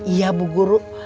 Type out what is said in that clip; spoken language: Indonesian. iya bu guru